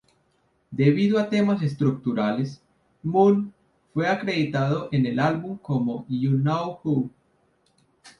Debido a temas contractuales, Moon fue acreditado en el álbum como "You Know Who".